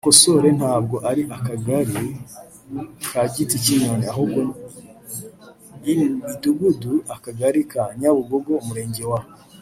Mukosore ntabwo ari akagali ka giti cyinyoni ahubwo in umudugudu akagali ka nyabugogo umurenge wa